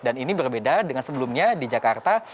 dan ini berbeda dengan sebelumnya di jakarta